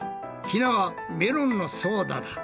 ひなはメロンのソーダだ。